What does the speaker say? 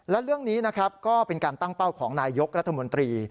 และเรื่องนี้นะครับก็เป็นการตั้งเป้าของนายยกรัฐมนตรี